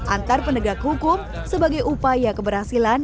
antar penegak hukum sebagai upaya keberhasilan